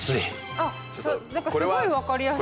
何かすごい分かりやすい。